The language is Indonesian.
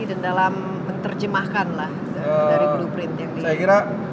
dan dalam menerjemahkan dari blueprint yang di